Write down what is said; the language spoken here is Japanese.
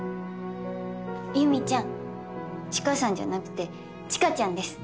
ゆみちゃん知花さんじゃなくて知花ちゃんです。